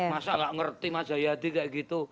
masalah ngerti mas yedi gak gitu